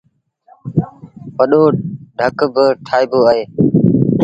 وڏو ڍڪ با ٺآئيٚبو اهي۔